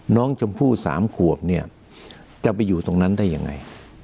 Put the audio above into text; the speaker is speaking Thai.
น้องชมพู่๓ขวบเนี่ยจะไปอยู่ตรงนั้นได้ยังไง